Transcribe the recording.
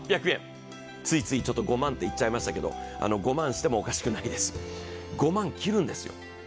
ついつい５万って言っちゃいましたけど、５万してもおかしくないです、５万切るんですよ。